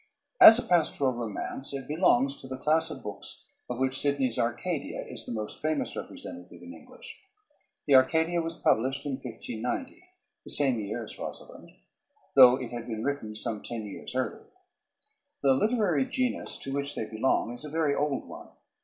_ As a pastoral romance it belongs to the class of books of which Sidney's' "Arcadia" is the most famous representative in English. The "Arcadia" was published in 1590 the same year as "Rosalynde" though it had been written some ten years earlier. The literary genus to which they belong is a very old one.